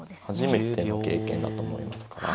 初めての経験だと思いますから。